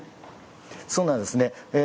そうなんですね。